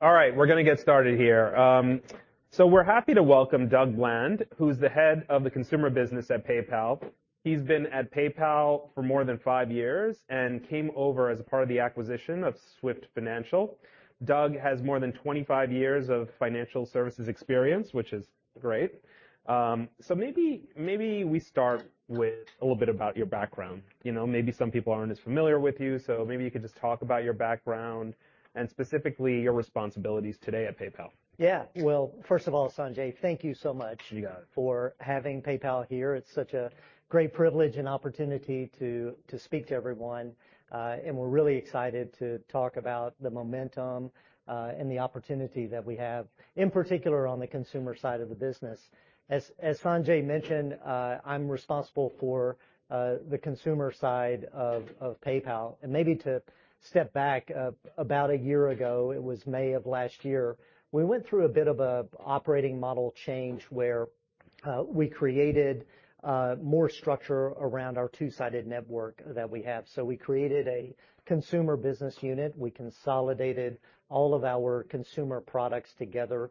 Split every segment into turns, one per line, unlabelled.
All right. We're going to get started here. We're happy to welcome Doug Bland, who's the head of the consumer business at PayPal. He's been at PayPal for more than five years and came over as a part of the acquisition of Swift Financial. Doug has more than 25 years of financial services experience, which is great. Maybe we start with a little bit about your background. You know, maybe some people aren't as familiar with you, maybe you could just talk about your background and specifically your responsibilities today at PayPal.
Yeah. Well, first of all, Sanjay, thank you so much.
You got it.
F or having PayPal here. It's such a great privilege and opportunity to speak to everyone, we're really excited to talk about the momentum and the opportunity that we have, in particular on the consumer side of the business. As Sanjay mentioned, I'm responsible for the consumer side of PayPal. Maybe to step back, about a year ago, it was May of last year, we went through a bit of a operating model change where we created more structure around our two-sided network that we have. We created a consumer business unit. We consolidated all of our consumer products together,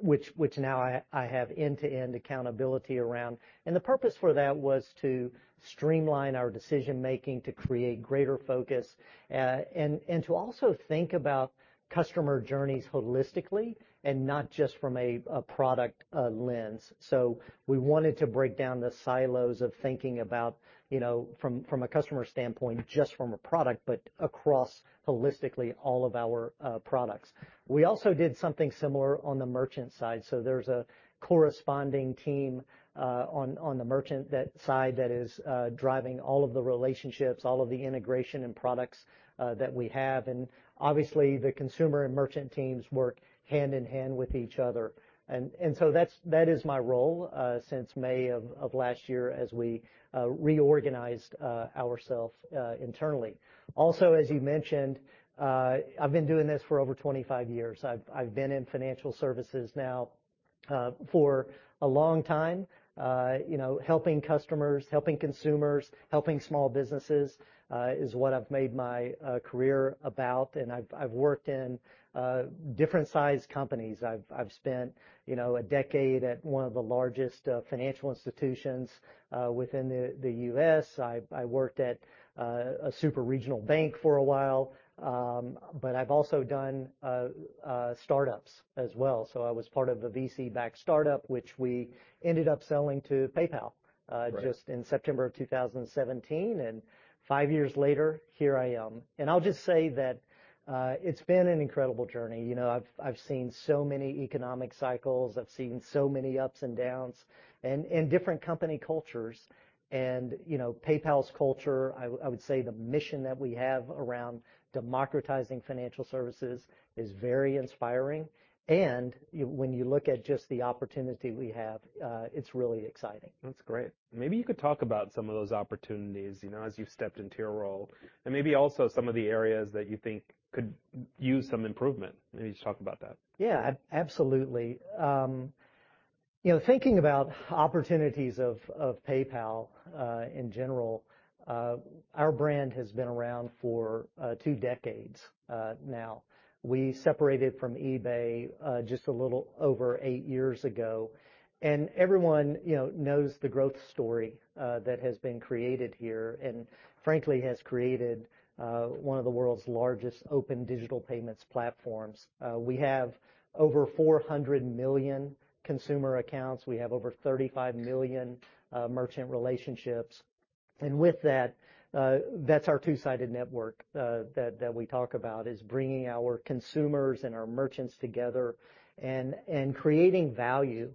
which now I have end-to-end accountability around. The purpose for that was to streamline our decision-making, to create greater focus, and to also think about customer journeys holistically and not just from a product lens. So we wanted to break down the silos of thinking about, you know, from a customer standpoint just from a product, but across holistically all of our products. We also did something similar on the merchant side, so there's a corresponding team on the merchant that side that is driving all of the relationships, all of the integration and products that we have. Obviously, the consumer and merchant teams work hand-in-hand with each other. So that is my role since May of last year as we reorganized ourself internally. Also, as you mentioned, I've been doing this for over 25 years. I've been in financial services now for a long time, you know, helping customers, helping consumers, helping small businesses is what I've made my career about. I've worked in different sized companies. I've spent, you know, a decade at one of the largest financial institutions within the US I worked at a super regional bank for a while, but I've also done startups as well. I was part of a VC-backed startup, which we ended up selling to PayPal.
Right
Just in September of 2017, and five years later, here I am. I'll just say that it's been an incredible journey. You know, I've seen so many economic cycles. I've seen so many ups and downs and different company cultures. You know, PayPal's culture, I would say the mission that we have around democratizing financial services is very inspiring. When you look at just the opportunity we have, it's really exciting.
That's great. Maybe you could talk about some of those opportunities, you know, as you've stepped into your role, and maybe also some of the areas that you think could use some improvement. Maybe just talk about that.
Yeah. Absolutely. You know, thinking about opportunities of PayPal, in general, our brand has been around for two decades now. We separated from eBay just a little over eight years ago. Everyone, you know, knows the growth story that has been created here and frankly has created one of the world's largest open digital payments platforms. We have over 400 million consumer accounts. We have over 35 million merchant relationships. With that's our two-sided network that we talk about, is bringing our consumers and our merchants together and creating value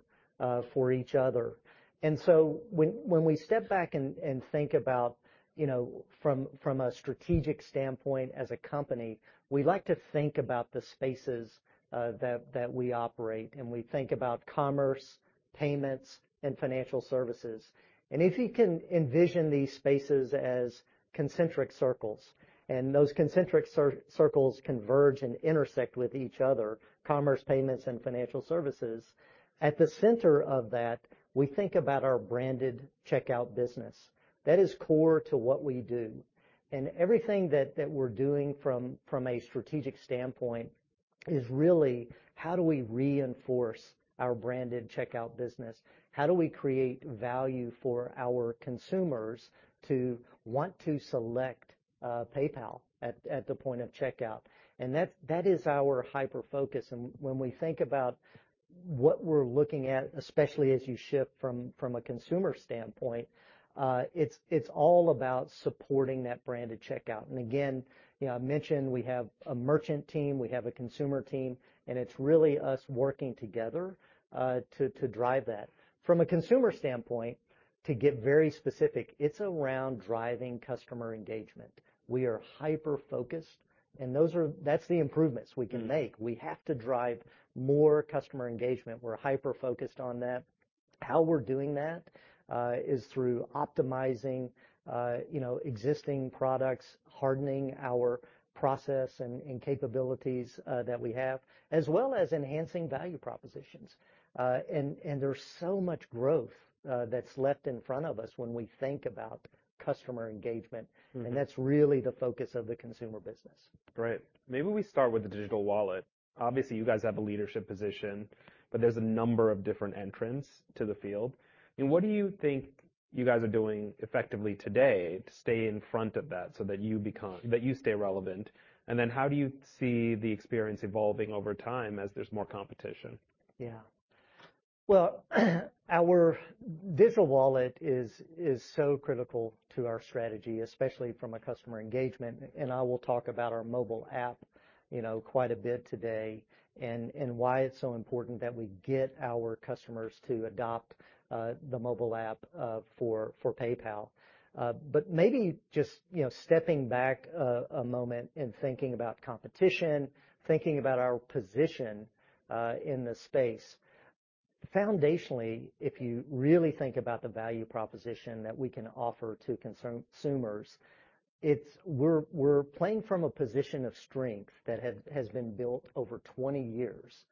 for each other. When we step back and think about, you know, from a strategic standpoint as a company, we like to think about the spaces that we operate, and we think about commerce, payments, and financial services. If you can envision these spaces as concentric circles, and those concentric circles converge and intersect with each other, commerce, payments, and financial services, at the center of that, we think about our branded checkout business. That is core to what we do. Everything that we're doing from a strategic standpoint is really how do we reinforce our branded checkout business? How do we create value for our consumers to want to select PayPal at the point of checkout? That is our hyper-focus. When we think about what we're looking at, especially as you shift from a consumer standpoint, it's all about supporting that branded checkout. Again, you know, I mentioned we have a merchant team, we have a consumer team, and it's really us working together to drive that. From a consumer standpoint, to get very specific, it's around driving customer engagement. We are hyper-focused, that's the improvements we can make. We have to drive more customer engagement. We're hyper-focused on that. How we're doing that is through optimizing, you know, existing products, hardening our process and capabilities that we have, as well as enhancing value propositions. There's so much growth that's left in front of us when we think about customer engagement. That's really the focus of the consumer business.
Great. Maybe we start with the digital wallet. Obviously, you guys have a leadership position, but there's a number of different entrants to the field. What do you think you guys are doing effectively today to stay in front of that so that you stay relevant? How do you see the experience evolving over time as there's more competition?
Well, our digital wallet is so critical to our strategy, especially from a customer engagement, and I will talk about our mobile app, you know, quite a bit today, and why it's so important that we get our customers to adopt the mobile app for PayPal. Maybe just, you know, stepping back a moment and thinking about competition, thinking about our position in the space. Foundationally, if you really think about the value proposition that we can offer to consumers, it's we're playing from a position of strength that has been built over 20 years.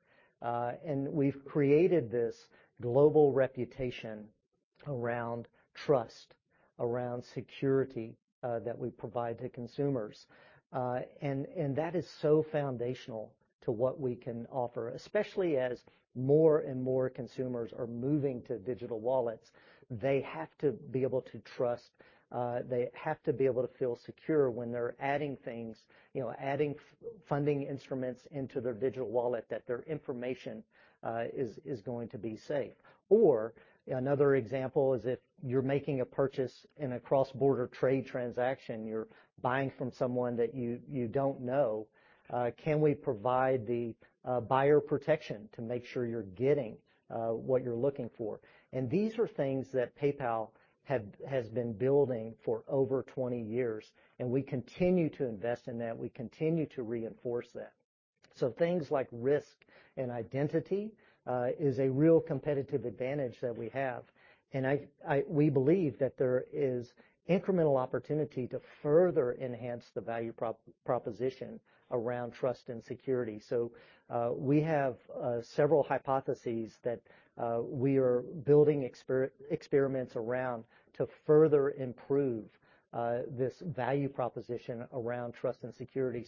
We've created this global reputation around trust, around security that we provide to consumers. That is so foundational to what we can offer, especially as more and more consumers are moving to digital wallets. They have to be able to trust, they have to be able to feel secure when they're adding things, you know, adding funding instruments into their digital wallet that their information is going to be safe. Another example is if you're making a purchase in a cross-border trade transaction, you're buying from someone that you don't know, can we provide the buyer protection to make sure you're getting what you're looking for? These are things that PayPal has been building for over 20 years, and we continue to invest in that. We continue to reinforce that. Things like risk and identity is a real competitive advantage that we have. We believe that there is incremental opportunity to further enhance the value proposition around trust and security. We have several hypotheses that we are building experiments around to further improve this value proposition around trust and security.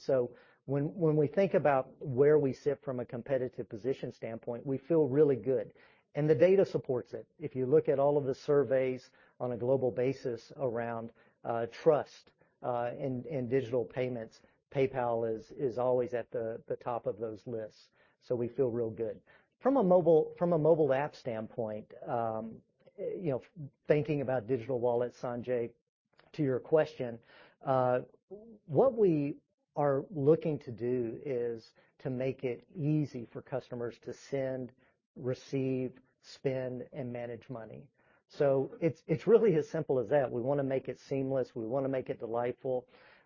When we think about where we sit from a competitive position standpoint, we feel really good, and the data supports it. If you look at all of the surveys on a global basis around trust in digital payments, PayPal is always at the top of those lists, we feel real good. From a mobile app standpoint, you know, thinking about digital wallets, Sanjay, to your question, what we are looking to do is to make it easy for customers to send, receive, spend, and manage money. It's really as simple as that. We want to make it seamless. We want to make it delightful,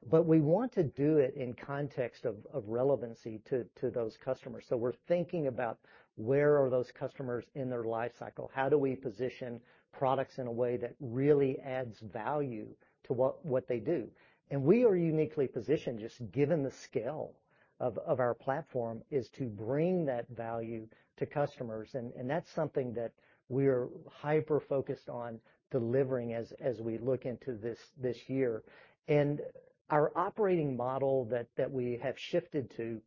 but we want to do it in context of relevancy to those customers. We're thinking about where are those customers in their life cycle? How do we position products in a way that really adds value to what they do? We are uniquely positioned, just given the scale of our platform, is to bring that value to customers. That's something that we're hyper-focused on delivering as we look into this year. Our operating model that we have shifted to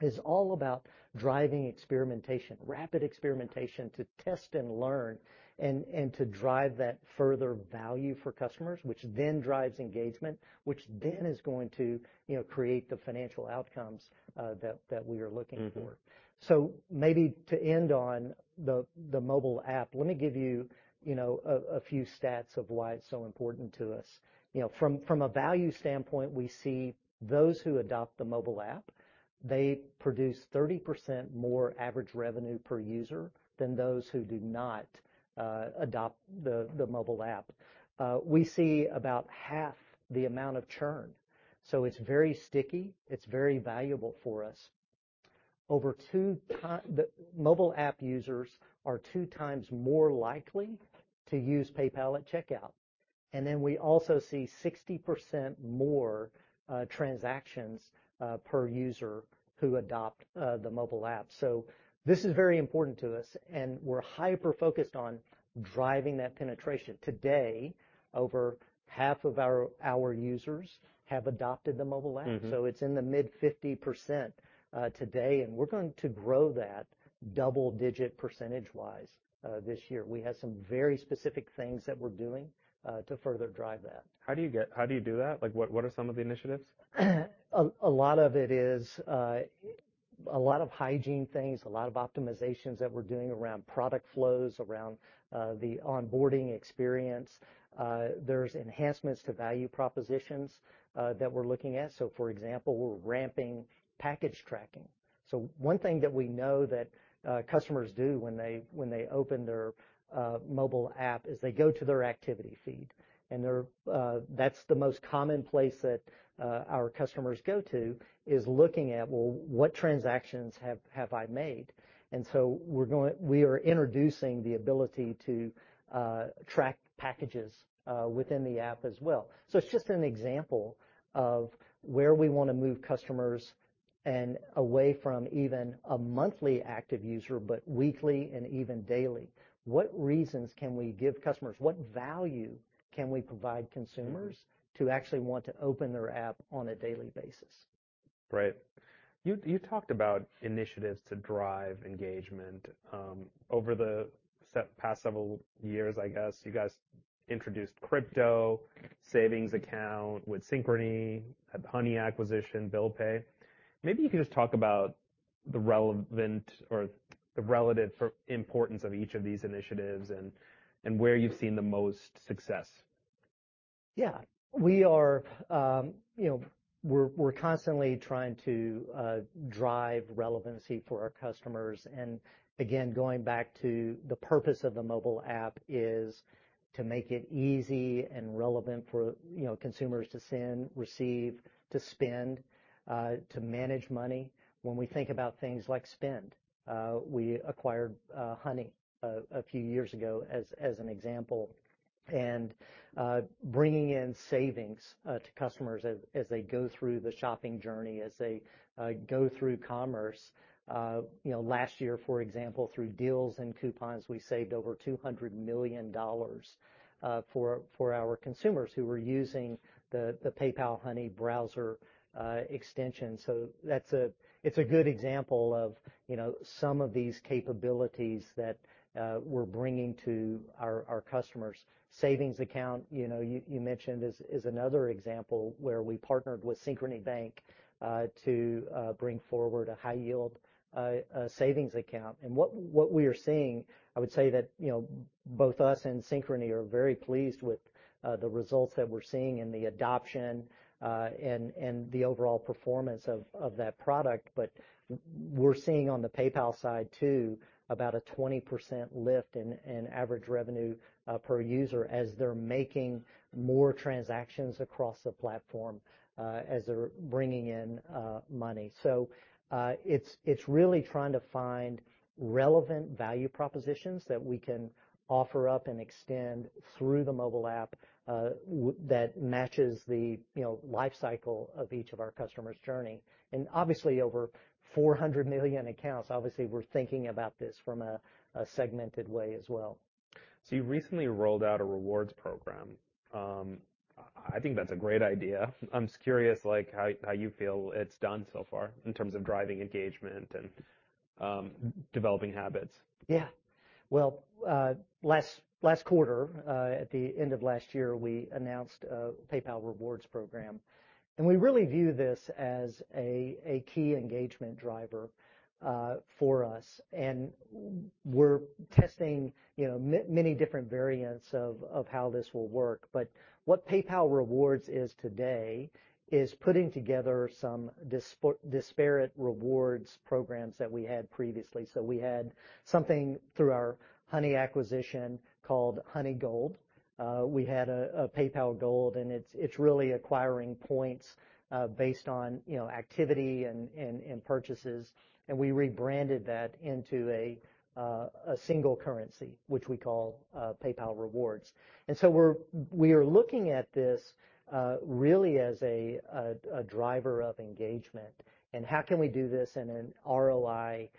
is all about driving experimentation, rapid experimentation to test and learn and to drive that further value for customers, which then drives engagement, which then is going to, you know, create the financial outcomes that we are looking for. Maybe to end on the mobile app, let me give you know, a few stats of why it's so important to us. You know, from a value standpoint, we see those who adopt the mobile app, they produce 30% more average revenue per user than those who do not adopt the mobile app. We see about half the amount of churn, so it's very sticky. It's very valuable for us. The mobile app users are 2x more likely to use PayPal at checkout. We also see 60% more transactions per user who adopt the mobile app. This is very important to us, and we're hyper-focused on driving that penetration. Today, over half of our users have adopted the mobile app. It's in the mid-50% today, and we're going to grow that double-digit percentage-wise this year. We have some very specific things that we're doing to further drive that.
How do you do that? Like what are some of the initiatives?
A lot of it is a lot of hygiene things, a lot of optimizations that we're doing around product flows, around the onboarding experience. There's enhancements to value propositions that we're looking at. For example, we're ramping package tracking. One thing that we know that customers do when they, when they open their mobile app is they go to their activity feed, that's the most common place that our customers go to is looking at, well, what transactions have I made? We are introducing the ability to track packages within the app as well. It's just an example of where we want to move customers and away from even a monthly active user, but weekly and even daily. What reasons can we give customers? What value can we provide consumers to actually want to open their app on a daily basis?
Right. You, you talked about initiatives to drive engagement, past several years, I guess. You guys introduced crypto, savings account with Synchrony, had the Honey acquisition, Bill Pay. Maybe you can just talk about the relevant or the relative importance of each of these initiatives and where you've seen the most success?
Yeah. We are, you know, we're constantly trying to drive relevancy for our customers. Again, going back to the purpose of the mobile app is to make it easy and relevant for, you know, consumers to send, receive, to spend, to manage money. When we think about things like spend, we acquired Honey a few years ago as an example. Bringing in savings to customers as they go through the shopping journey, as they go through commerce. You know, last year, for example, through deals and coupons, we saved over $200 million for our consumers who were using the PayPal Honey browser extension. That's a good example of, you know, some of these capabilities that we're bringing to our customers. Savings account, you know, you mentioned is another example where we partnered with Synchrony Bank to bring forward a high-yield savings account. What we are seeing, I would say that, you know, both us and Synchrony are very pleased with the results that we're seeing and the adoption and the overall performance of that product. We're seeing on the PayPal side too, about a 20% lift in average revenue per user as they're making more transactions across the platform as they're bringing in money. It's really trying to find relevant value propositions that we can offer up and extend through the mobile app that matches the, you know, life cycle of each of our customers' journey. obviously, over 400 million accounts, obviously we're thinking about this from a segmented way as well.
You recently rolled out a rewards program. I think that's a great idea. I'm just curious, like how you feel it's done so far in terms of driving engagement and developing habits.
Well, last quarter, at the end of last year, we announced a PayPal Rewards program, we really view this as a key engagement driver for us. We're testing, you know, many different variants of how this will work. What PayPal Rewards is today is putting together some disparate rewards programs that we had previously. We had something through our Honey acquisition called Honey Gold. We had a PayPal Gold, and it's really acquiring points based on, you know, activity and purchases. We rebranded that into a single currency, which we call PayPal Rewards. We are looking at this, really as a driver of engagement, and how can we do this in an ROI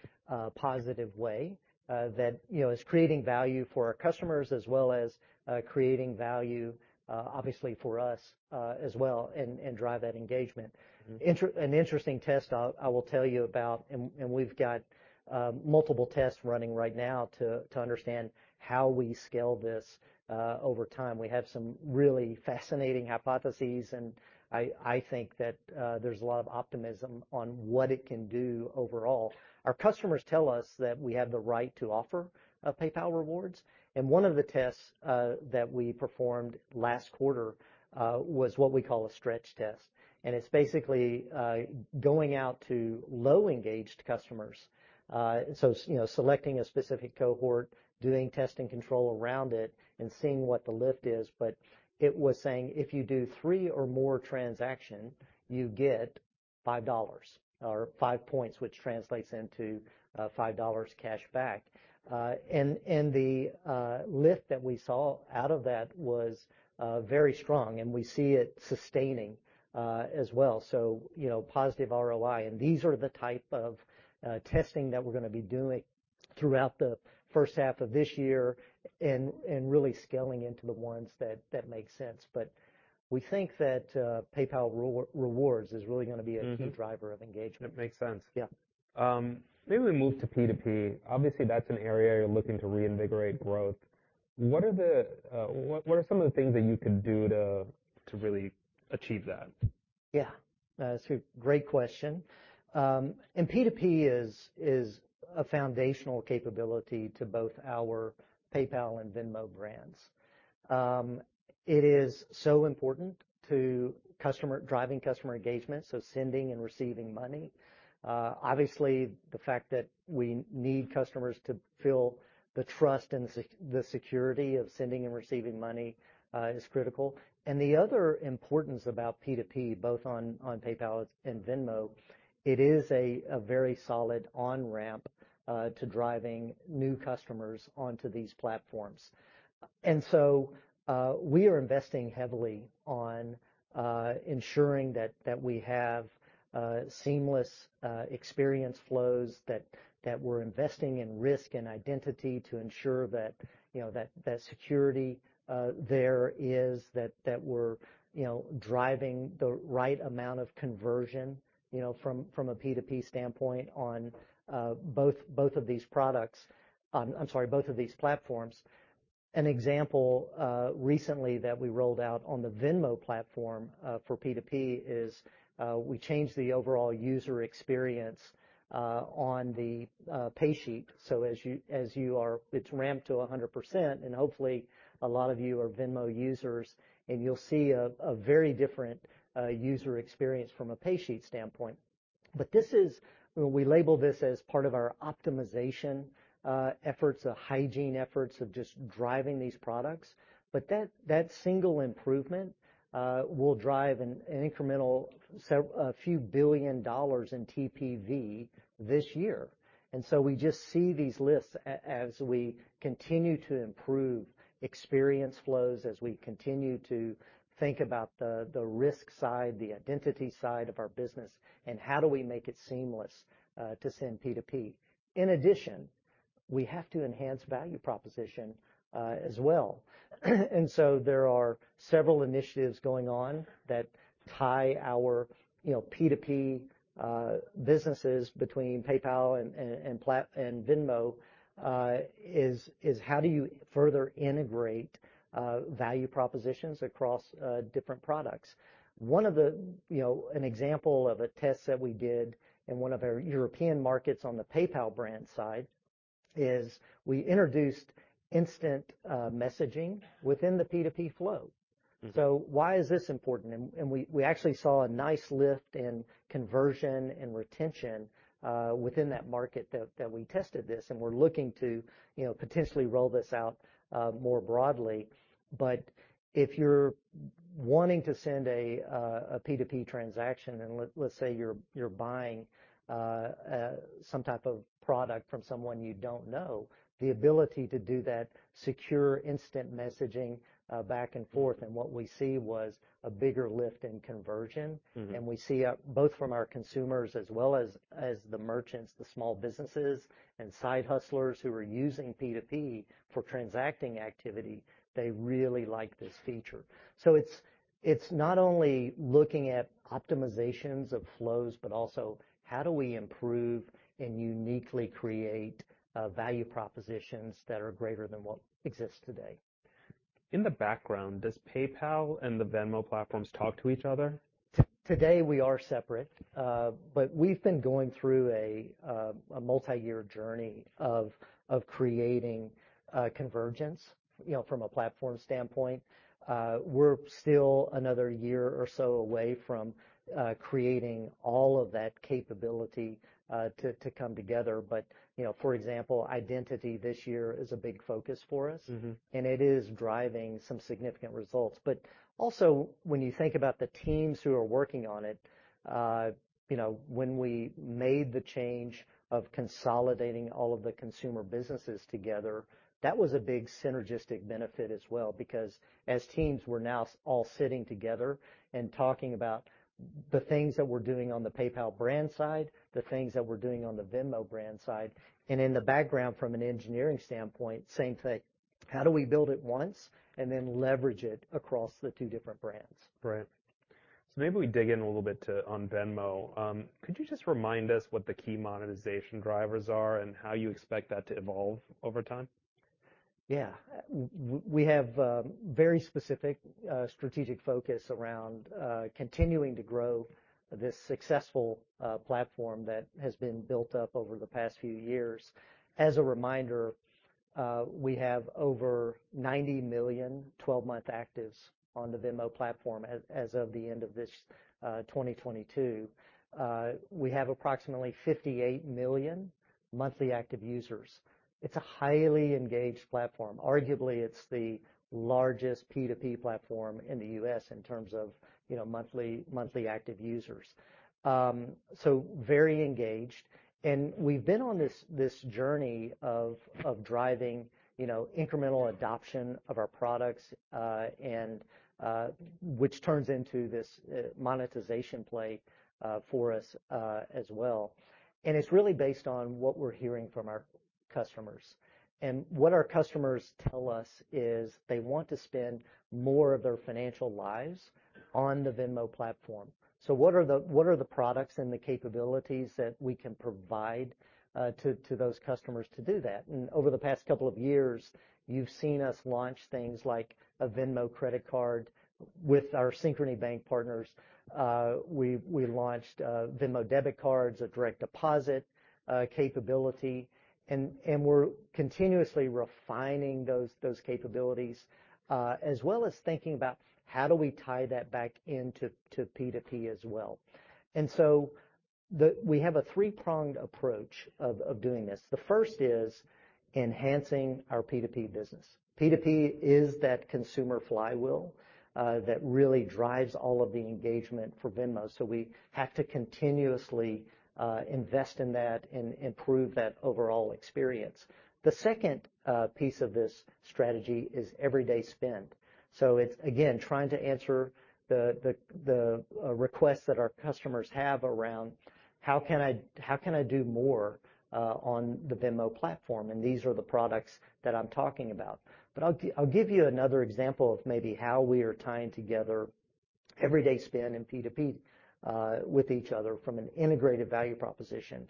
positive way, that, you know, is creating value for our customers as well as, creating value, obviously for us, as well, and drive that engagement. an interesting test I will tell you about, and we've got multiple tests running right now to understand how we scale this over time. We have some really fascinating hypotheses, and I think that there's a lot of optimism on what it can do overall. Our customers tell us that we have the right to offer a PayPal Rewards. One of the tests that we performed last quarter was what we call a stretch test. It's basically going out to low-engaged customers. So you know, selecting a specific cohort, doing test and control around it, and seeing what the lift is. It was saying, "If you do three or more transaction, you get $5 or five points," which translates into $5 cash back. The lift that we saw out of that was very strong, and we see it sustaining as well. You know, positive ROI. These are the type of testing that we're going to be doing throughout the first half of this year and really scaling into the ones that make sense. We think that PayPal Rewards is really going to be a key driver of engagement.
It makes sense.
Yeah.
Maybe we move to P2P. Obviously, that's an area you're looking to reinvigorate growth. What are some of the things that you could do to really achieve that?
Yeah. That's a great question. P2P is a foundational capability to both our PayPal and Venmo brands. It is so important to driving customer engagement, so sending and receiving money. Obviously, the fact that we need customers to feel the trust and the security of sending and receiving money is critical. The other importance about P2P, both on PayPal and Venmo, it is a very solid on-ramp to driving new customers onto these platforms. We are investing heavily on ensuring that we have seamless experience flows that we're investing in risk and identity to ensure that, you know, that security there is, that we're, you know, driving the right amount of conversion, you know, from a P2P standpoint on both of these products. I'm sorry, both of these platforms. An example recently that we rolled out on the Venmo platform for P2P is we changed the overall user experience on the pay sheet. As you are it's ramped to 100%, and hopefully a lot of you are Venmo users, and you'll see a very different user experience from a pay sheet standpoint. This is. We label this as part of our optimization, efforts, the hygiene efforts of just driving these products. That single improvement will drive an incremental a few billion dollars in TPV this year. We just see these lists as we continue to improve experience flows, as we continue to think about the risk side, the identity side of our business, and how do we make it seamless to send P2P. In addition, we have to enhance value proposition as well. There are several initiatives going on that tie our, you know, P2P businesses between PayPal and Venmo is how do you further integrate value propositions across different products. One of the, you know, an example of a test that we did in one of our European markets on the PayPal brand side is we introduced instant messaging within the P2P flow. Why is this important? We actually saw a nice lift in conversion and retention within that market that we tested this, and we're looking to, you know, potentially roll this out more broadly. If you're wanting to send a P2P transaction, and let's say you're buying some type of product from someone you don't know, the ability to do that secure instant messaging back and forth, and what we see was a bigger lift in conversion. We see, both from our consumers as well as the merchants, the small businesses and side hustlers who are using P2P for transacting activity, they really like this feature. It's not only looking at optimizations of flows, but also how do we improve and uniquely create value propositions that are greater than what exists today.
In the background, does PayPal and the Venmo platforms talk to each other?
Today we are separate, but we've been going through a multiyear journey of creating convergence, you know, from a platform standpoint. We're still another year or so away from creating all of that capability to come together. You know, for example, identity this year is a big focus for us. It is driving some significant results. Also, when you think about the teams who are working on it, you know, when we made the change of consolidating all of the consumer businesses together, that was a big synergistic benefit as well. Because as teams, we're now all sitting together and talking about the things that we're doing on the PayPal brand side, the things that we're doing on the Venmo brand side, and in the background from an engineering standpoint, same thing. How do we build it once and then leverage it across the two different brands?
Right. Maybe we dig in a little bit to, on Venmo. Could you just remind us what the key monetization drivers are and how you expect that to evolve over time?
Yeah. We have very specific strategic focus around continuing to grow this successful platform that has been built up over the past few years. As a reminder, we have over $90 million 12-month actives on the Venmo platform as of the end of 2022. We have approximately $58 million monthly active users. It's a highly engaged platform. Arguably, it's the largest P2P platform in the US in terms of, you know, monthly active users. Very engaged. We've been on this journey of driving, you know, incremental adoption of our products, which turns into this monetization play for us as well. It's really based on what we're hearing from our customers. What our customers tell us is they want to spend more of their financial lives on the Venmo platform. What are the products and the capabilities that we can provide to those customers to do that? Over the past couple of years, you've seen us launch things like a Venmo Credit Card with our Synchrony Bank partners. We launched a Venmo Debit Card, a direct deposit capability, and we're continuously refining those capabilities, as well as thinking about how do we tie that back into P2P as well. We have a three-pronged approach of doing this. The first is enhancing our P2P business. P2P is that consumer flywheel that really drives all of the engagement for Venmo, so we have to continuously invest in that and improve that overall experience. The second piece of this strategy is everyday spend. It's, again, trying to answer the requests that our customers have around how can I, how can I do more on the Venmo platform? These are the products that I'm talking about. I'll give you another example of maybe how we are tying together everyday spend and P2P with each other from an integrated value proposition.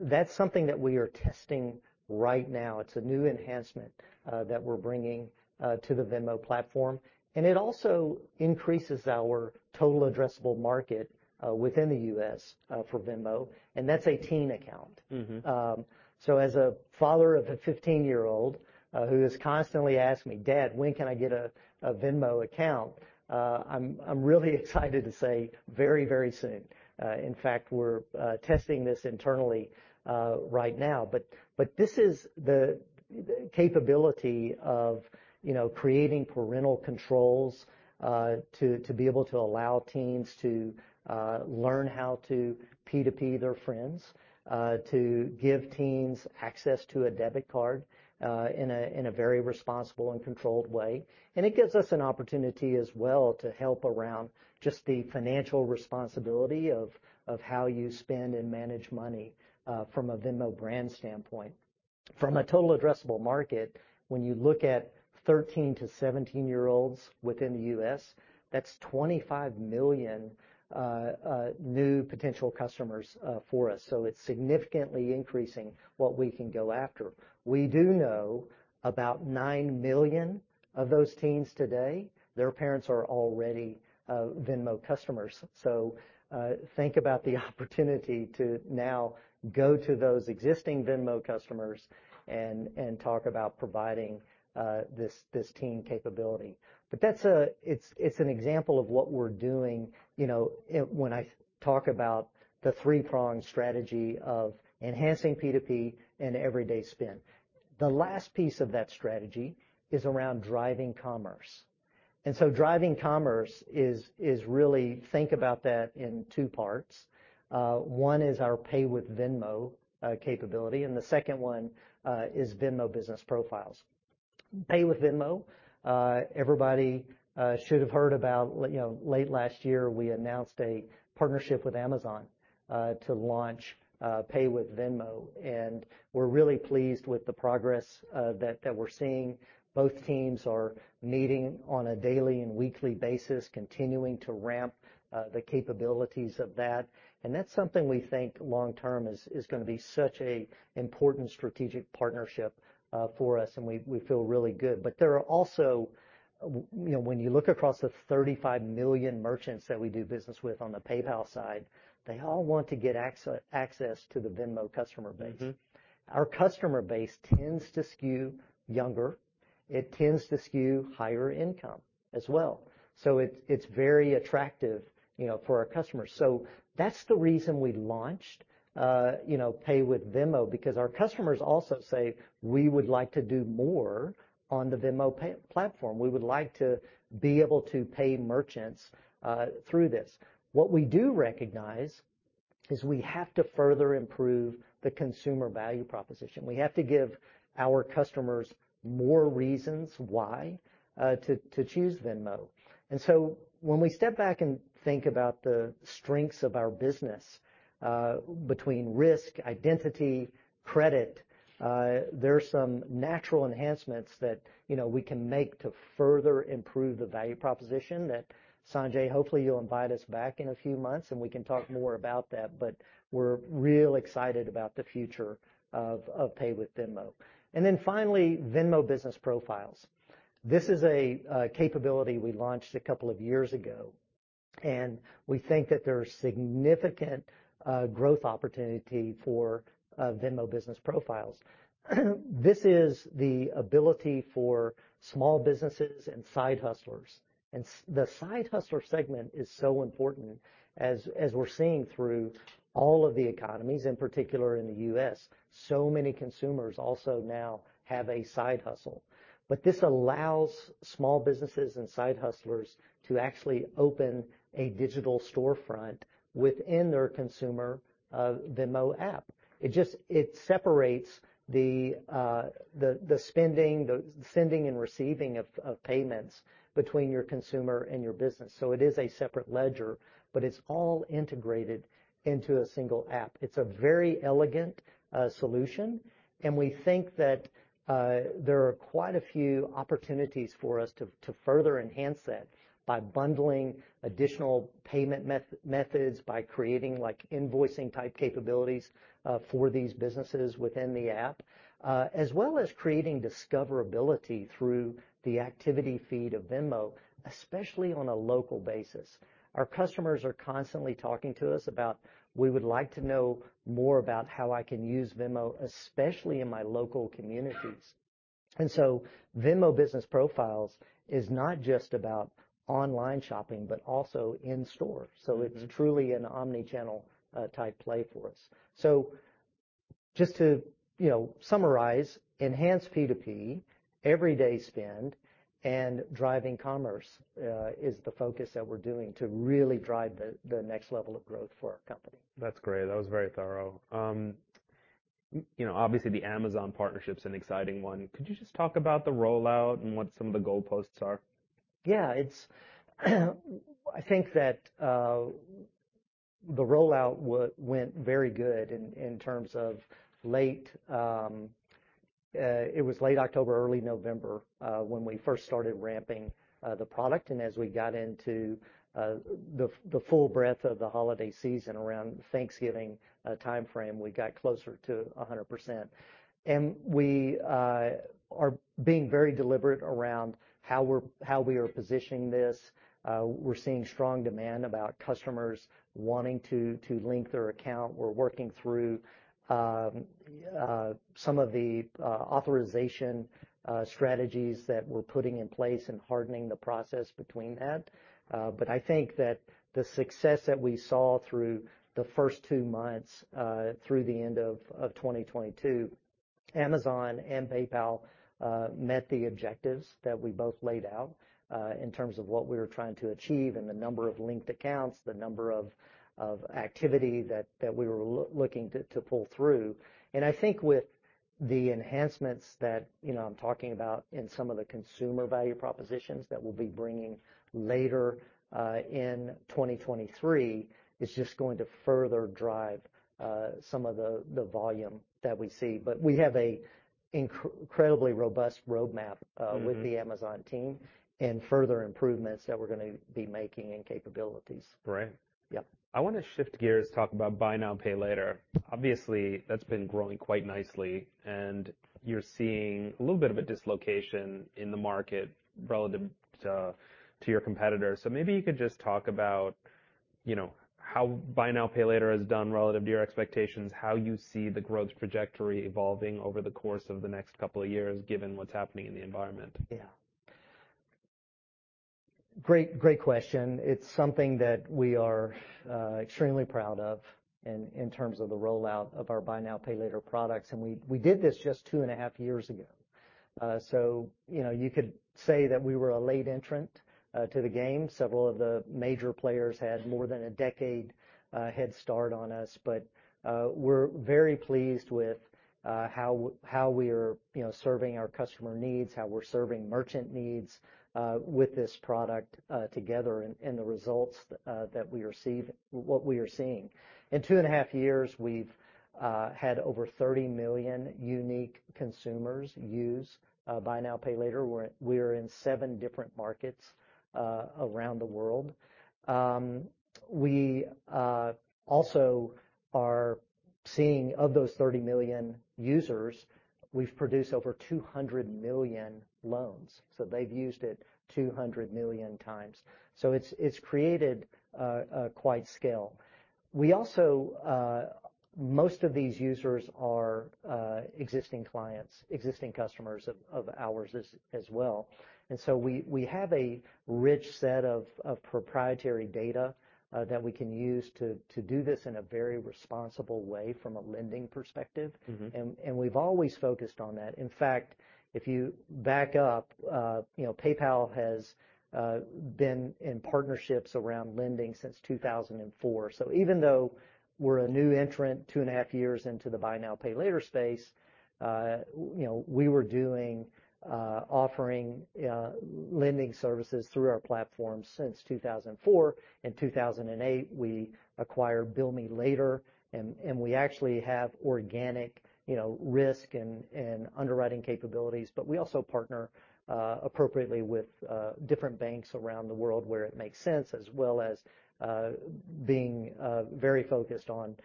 That's something that we are testing right now. It's a new enhancement that we're bringing to the Venmo platform, and it also increases our total addressable market within the US for Venmo, and that's a teen account. As a father of a 15-year-old, who has constantly asked me, "Dad, when can I get a Venmo account?" I'm really excited to say very, very soon. In fact, we're testing this internally right now. This is the capability of, you know, creating parental controls, to be able to allow teens to learn how to P2P their friends, to give teens access to a debit card, in a very responsible and controlled way. It gives us an opportunity as well to help around just the financial responsibility of how you spend and manage money, from a Venmo brand standpoint. From a total addressable market, when you look at 13 to 17-year-olds within the US, that's 25 million new potential customers for us. It's significantly increasing what we can go after. We do know about 9 million of those teens today, their parents are already Venmo customers. Think about the opportunity to now go to those existing Venmo customers and talk about providing this teen capability. That's, it's an example of what we're doing, you know, when I talk about the three-pronged strategy of enhancing P2P and everyday spend. The last piece of that strategy is around driving commerce. Driving commerce is really think about that in two parts. One is our Pay with Venmo capability, and the second one is Venmo business profiles. Pay with Venmo, everybody should have heard about, you know, late last year, we announced a partnership with Amazon to launch Pay with Venmo, and we're really pleased with the progress that we're seeing. Both teams are meeting on a daily and weekly basis, continuing to ramp the capabilities of that. That's something we think long term is going to be such a important strategic partnership for us, and we feel really good. There are also, you know, when you look across the 35 million merchants that we do business with on the PayPal side, they all want to get access to the Venmo customer base. Our customer base tends to skew younger. It tends to skew higher income as well. It's very attractive, you know, for our customers. That's the reason we launched, you know, Pay with Venmo because our customers also say, "We would like to do more on the Venmo platform. We would like to be able to pay merchants through this." What we do recognize is we have to further improve the consumer value proposition. We have to give our customers more reasons why to choose Venmo. When we step back and think about the strengths of our business, between risk, identity, credit, there's some natural enhancements that, you know, we can make to further improve the value proposition that, Sanjay, hopefully you'll invite us back in a few months, and we can talk more about that. We're real excited about the future of Pay with Venmo. Finally, Venmo business profiles. This is a capability we launched a couple of years ago, and we think that there's significant growth opportunity for Venmo business profiles. This is the ability for small businesses and side hustlers. The side hustler segment is so important as we're seeing through all of the economies, in particular in the US, so many consumers also now have a side hustle. This allows small businesses and side hustlers to actually open a digital storefront within their consumer Venmo app. It separates the spending, the sending and receiving of payments between your consumer and your business. It is a separate ledger, but it's all integrated into a single app. It's a very elegant solution, and we think that there are quite a few opportunities for us to further enhance that by bundling additional payment methods, by creating, like, invoicing-type capabilities for these businesses within the app, as well as creating discoverability through the activity feed of Venmo, especially on a local basis. Our customers are constantly talking to us about, "We would like to know more about how I can use Venmo, especially in my local communities." Venmo Business Profiles is not just about online shopping, but also in-store. It's truly an omni-channel type play for us. Just to, you know, summarize, enhanced P2P, everyday spend, and driving commerce is the focus that we're doing to really drive the next level of growth for our company.
That's great. That was very thorough. you know, obviously, the Amazon partnership's an exciting one. Could you just talk about the rollout and what some of the goalposts are?
Yeah. I think that the rollout went very good in terms of late October, early November, when we first started ramping the product. As we got into the full breadth of the holiday season around Thanksgiving timeframe, we got closer to 100%. We are being very deliberate around how we are positioning this. We're seeing strong demand about customers wanting to link their account. We're working through some of the authorization strategies that we're putting in place and hardening the process between that. I think that the success that we saw through the first two months, through the end of 2022, Amazon and PayPal met the objectives that we both laid out in terms of what we were trying to achieve and the number of linked accounts, the number of activity that we were looking to pull through. I think with the enhancements that, you know, I'm talking about in some of the consumer value propositions that we'll be bringing later in 2023, is just going to further drive some of the volume that we see. We have a incredibly robust roadmap. With the Amazon team and further improvements that we're going to be making in capabilities.
Great.
Yeah.
I want to shift gears, talk about buy now, pay later. Obviously, that's been growing quite nicely, and you're seeing a little bit of a dislocation in the market relative to your competitors. Maybe you could just talk about, you know, how buy now, pay later has done relative to your expectations, how you see the growth trajectory evolving over the course of the next couple of years given what's happening in the environment.
Yeah. Great question. It's something that we are extremely proud of in terms of the rollout of our buy now, pay later products, and we did this just two and a half years ago. You know, you could say that we were a late entrant to the game. Several of the major players had more than a decade head start on us. We're very pleased with how we are, you know, serving our customer needs, how we're serving merchant needs with this product together and the results what we are seeing. In two and a half years, we've had over 30 million unique consumers use buy now, pay later. We're in seven different markets around the world. We also are seeing, of those 30 million users, we've produced over 200 million loans. They've used it 200 million times. It's created quite scale. Most of these users are existing clients, existing customers of ours as well. We have a rich set of proprietary data that we can use to do this in a very responsible way from a lending perspective. We've always focused on that. In fact, if you back up, you know, PayPal has been in partnerships around lending since 2004. Even though we're a new entrant two and a half years into the buy now, pay later space, you know, we were doing offering lending services through our platform since 2004. In 2008, we acquired Bill Me Later, and we actually have organic, you know, risk and underwriting capabilities. We also partner appropriately with different banks around the world where it makes sense, as well as being very focused on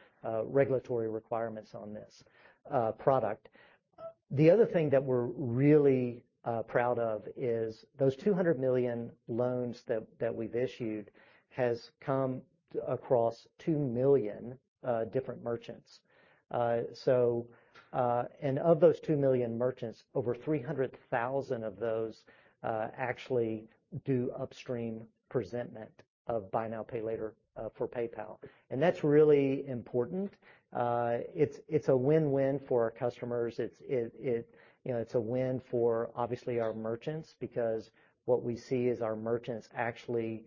regulatory requirements on this product. The other thing that we're really proud of is those 200 million loans that we've issued has come across 2 million different merchants. Of those 2 million merchants, over 300,000 of those actually do upstream presentment of buy now, pay later for PayPal. That's really important. It's, it, you know, it's a win-win for our customers. It's, it, you know, it's a win for, obviously, our merchants because what we see is our merchants actually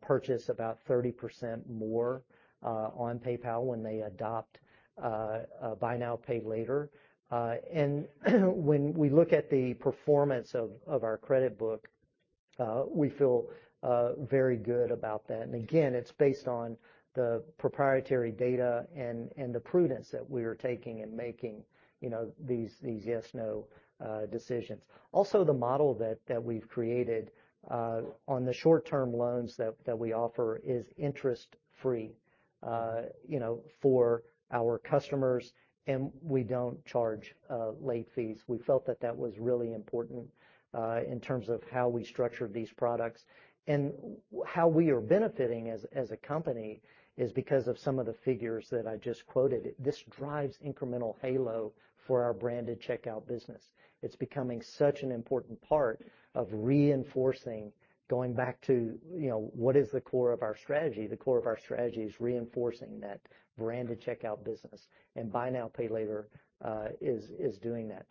purchase about 30% more on PayPal when they adopt buy now, pay later. When we look at the performance of our credit book, we feel very good about that. Again, it's based on the proprietary data and the prudence that we are taking in making, you know, these yes, no decisions. The model that we've created on the short-term loans that we offer is interest-free, you know, for our customers, and we don't charge late fees. We felt that that was really important in terms of how we structured these products. How we are benefiting as a company is because of some of the figures that I just quoted. This drives incremental halo for our branded checkout business. It's becoming such an important part of reinforcing going back to, you know, what is the core of our strategy. The core of our strategy is reinforcing that branded checkout business, and buy now, pay later is doing that.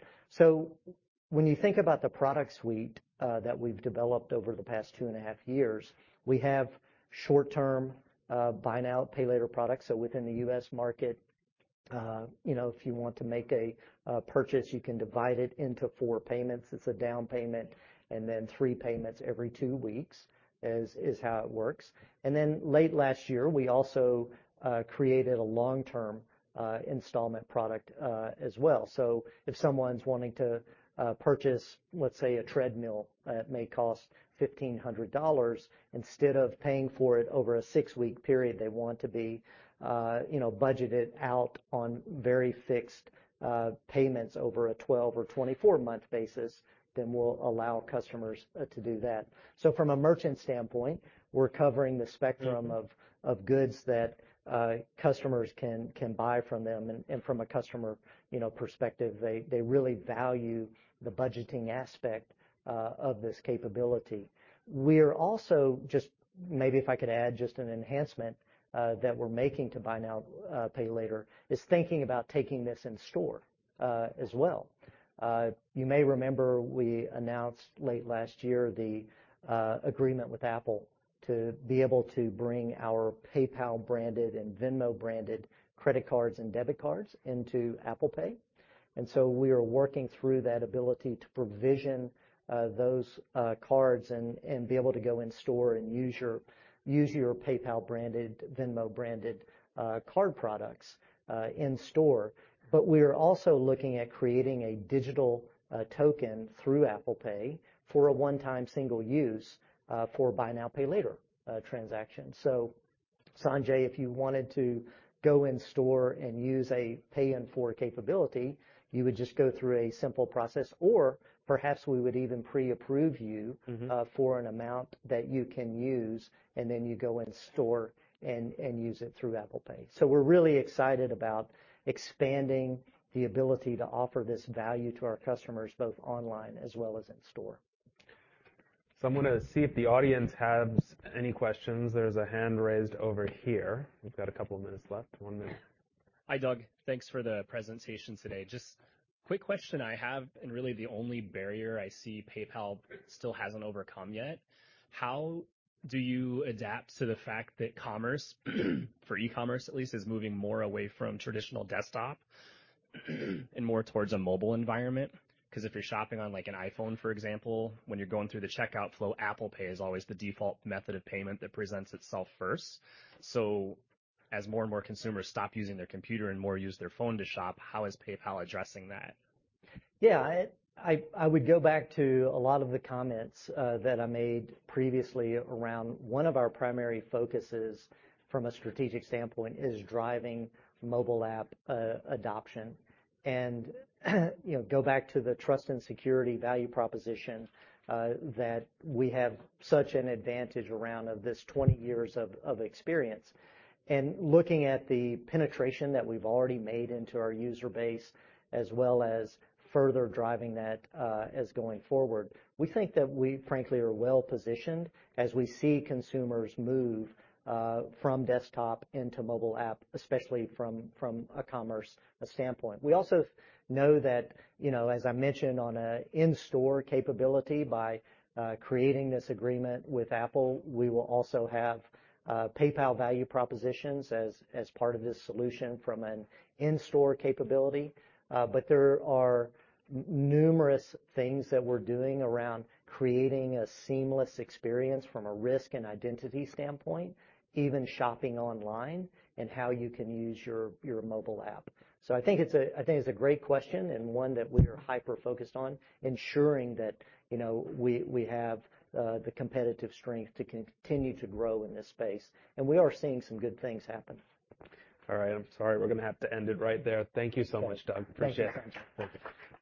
When you think about the product suite that we've developed over the past two and a half years, we have short-term buy now, pay later products. Within the US market, you know, if you want to make a purchase, you can divide it into four payments. It's a down payment and then three payments every two weeks, is how it works. Late last year, we also created a long-term installment product as well. If someone's wanting to purchase, let's say, a treadmill, it may cost $1,500. Instead of paying for it over a six-week period, they want to be, you know, budget it out on very fixed payments over a 12 or 24-month basis, then we'll allow customers to do that. From a merchant standpoint, we're covering the spectrum of goods that customers can buy from them. From a customer, you know, perspective, they really value the budgeting aspect of this capability. We're also just. Maybe if I could add just an enhancement that we're making to buy now, pay later, is thinking about taking this in store as well. You may remember we announced late last year the agreement with Apple to be able to bring our PayPal-branded and Venmo-branded credit cards and debit cards into Apple Pay. We are working through that ability to provision those cards and be able to go in store and use your PayPal-branded, Venmo-branded card products in store. We are also looking at creating a digital token through Apple Pay for a one-time single use for buy now, pay later transactions. Sanjay, if you wanted to go in store and use a Pay in four capability, you would just go through a simple process. Perhaps we would even pre-approve you for an amount that you can use, and then you go in store and use it through Apple Pay. We're really excited about expanding the ability to offer this value to our customers both online as well as in store.
I'm going to see if the audience has any questions. There's a hand raised over here. We've got a couple of minutes left, one minute.
Hi, Doug. Thanks for the presentation today. Just quick question I have, and really the only barrier I see PayPal still hasn't overcome yet: How do you adapt to the fact that commerce, for e-commerce at least, is moving more away from traditional desktop and more towards a mobile environment? 'Cause if you're shopping on, like an iPhone, for example, when you're going through the checkout flow, Apple Pay is always the default method of payment that presents itself first. As more and more consumers stop using their computer and more use their phone to shop, how is PayPal addressing that?
Yeah. I would go back to a lot of the comments that I made previously around one of our primary focuses from a strategic standpoint is driving mobile app adoption. You know, go back to the trust and security value proposition that we have such an advantage around of this 20 years of experience. Looking at the penetration that we've already made into our user base as well as further driving that as going forward, we think that we frankly are well positioned as we see consumers move from desktop into mobile app, especially from a commerce standpoint. We also know that, you know, as I mentioned on an in-store capability, by creating this agreement with Apple, we will also have PayPal value propositions as part of this solution from an in-store capability. There are numerous things that we're doing around creating a seamless experience from a risk and identity standpoint, even shopping online and how you can use your mobile app. I think it's a, I think it's a great question and one that we are hyper-focused on, ensuring that, you know, we have the competitive strength to continue to grow in this space. We are seeing some good things happen.
All right. I'm sorry. We're going to have to end it right there. Thank you so much, Doug. Appreciate it.
Thank you, Sanjay.
Welcome.